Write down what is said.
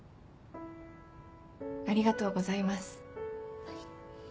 ありがとうございます。